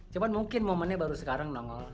cuma mungkin momennya baru sekarang